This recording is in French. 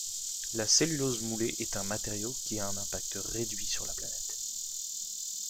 La cellulose moulée est un matériau qui a un impact réduit sur la planète.